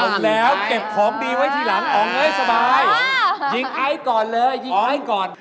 เอาแล้วเก็บของดีไว้ทีหลังอองเลยสบายยิงอายก่อนเลยยิงอายก่อน